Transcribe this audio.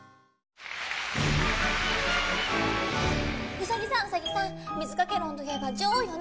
ウサギさんウサギさん水掛け論といえば女王よね。